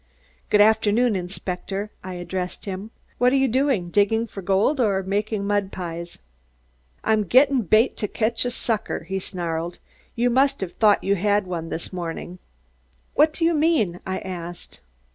"Good afternoon, Inspector," I addressed him. "What are you doing, digging for gold or making mud pies?" "I'm gettin' bait to catch a sucker," he snarled. "You must have thought you had one this morning." "What do you mean?" I asked.